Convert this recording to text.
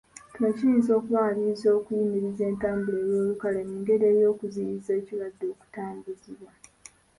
Kino kiyinza okubawaliriza okuyimiriza entambula ey’olukale mu ngeri y’okuziyizza ekirwadde okutambuzibwa.